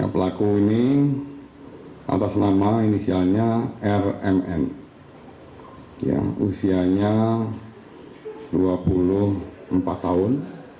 pelaku ini atas nama inisialnya rmn yang usianya dua puluh empat tahun